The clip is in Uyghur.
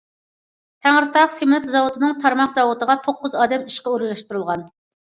تەڭرىتاغ سېمونت زاۋۇتىنىڭ تارماق زاۋۇتىغا توققۇز ئادەم ئىشقا ئورۇنلاشتۇرۇلغان.